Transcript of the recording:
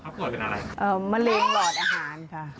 จ้ะความปลอดเป็นอะไรครับปลอดอาหารค่ะปลอด